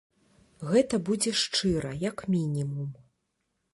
Гэта будзе шчыра, як мінімум.